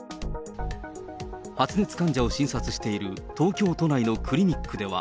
発熱患者を診察している東京都内のクリニックでは。